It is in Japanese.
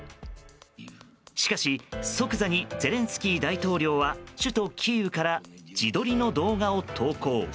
しかし、即座にゼレンスキー大統領は首都キーウから自撮りの動画を投稿。